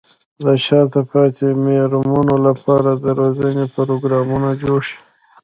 د شاته پاتې مېرمنو لپاره د روزنې پروګرامونه جوړ شي.